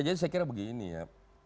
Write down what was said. ya jadi saya kira begini ya